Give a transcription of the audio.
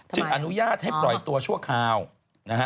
อนุญาตให้ปล่อยตัวชั่วคราวนะฮะ